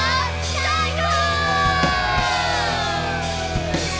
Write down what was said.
最高！